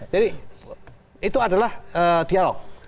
jadi itu adalah dialog